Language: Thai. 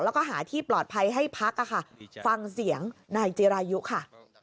แล้วก็หาที่ปลอดภัยให้พักค่ะฟังเสียงนายจิรายุค่ะ